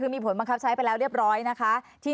คือมีผลบังคับใช้ไปแล้วเรียบร้อยนะคะ